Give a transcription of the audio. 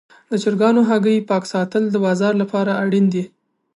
د چرګانو هګۍ پاک ساتل د بازار لپاره اړین دي.